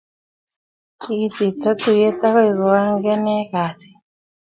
Kikisipto tuyet akoi koageneg kasi